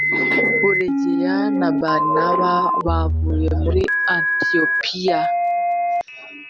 buregeya na barinaba bavuye muri antiyokiya